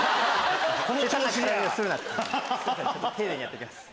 丁寧にやって行きます。